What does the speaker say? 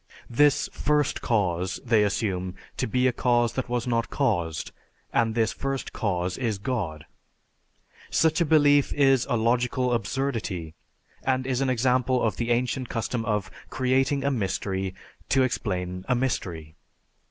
This First Cause they assume to be a cause that was not caused and this First Cause is God. Such a belief is a logical absurdity, and is an example of the ancient custom of creating a mystery to explain a mystery.